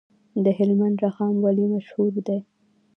د هلمند رخام ولې مشهور دی؟